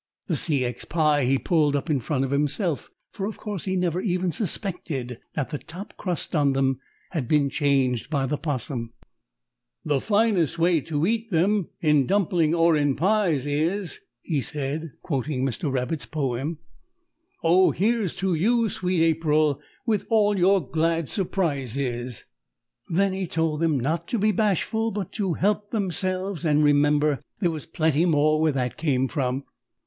The C. X. pie he pulled up in front of himself, for of course he never even suspected that the top crust on them had been changed by the 'Possum. The finest way to eat them In dumpling or in pies is he said, quoting Mr. Rabbit's poem, Oh, here's to you, sweet April, With all your glad surprises! [Illustration: MR. TURTLE WAS WATCHING HIM PRETTY ANXIOUSLY.] Then he told them not to be bashful, but to help themselves and remember there was plenty more where that came from.